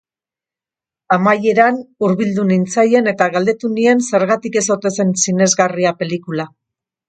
Amaieran hurbildu nintzaien eta galdetu nien zergatik ez ote zen sinesgarria pelikula.